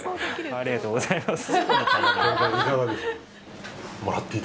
ありがとうございます。